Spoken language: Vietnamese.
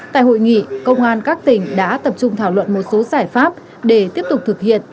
tại hội nghị công an các tỉnh đã tập trung thảo luận một số giải pháp để tiếp tục thực hiện